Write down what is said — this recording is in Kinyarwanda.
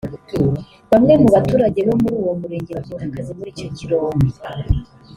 Bamwe mu baturage bo muri uwo murenge bafite akazi muri icyo kirombe